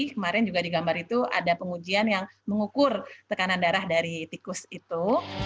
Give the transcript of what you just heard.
kemarin juga di gambar itu ada pengujian yang mengukur tekanan darah dari tikus itu